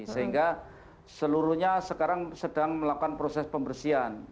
sehingga seluruhnya sekarang sedang melakukan proses pembersihan